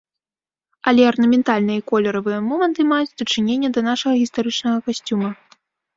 Але арнаментальныя і колеравыя моманты маюць дачыненне да нашага гістарычнага касцюма.